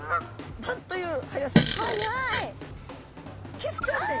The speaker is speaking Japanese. キスちゃんです。